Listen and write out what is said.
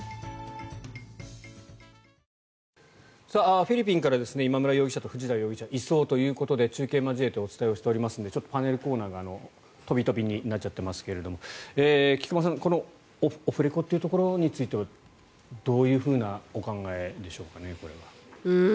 フィリピンから今村容疑者と藤田容疑者移送ということで中継を交えてお伝えしておりますのでパネルコーナーが飛び飛びになっちゃってますが菊間さん、このオフレコというところについてはどういうお考えでしょうか？